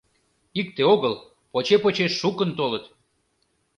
Икте огыл — поче-поче шукын толыт.